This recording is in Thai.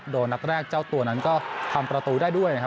โดนนัดแรกเจ้าตัวนั้นก็ทำประตูได้ด้วยนะครับ